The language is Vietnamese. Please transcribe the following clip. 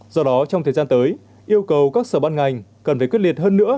do đó trong thời gian tới yêu cầu các sở ban ngành cần phải quyết liệt hơn nữa